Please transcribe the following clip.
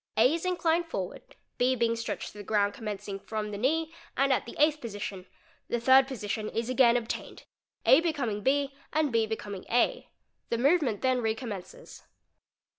A is inclined forward, B being stretched to the ground commencing from the knee and at the Eighth Position—the third position is again obtained, A becoming B und B becoming A ; the movement then recommences.